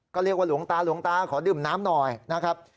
ก็เรียกว่าหลวงตาหลวงตาขอดื่มน้ำหน่อยนะครับ